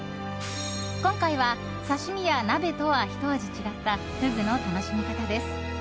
今回は、刺し身や鍋とはひと味違ったフグの楽しみ方です。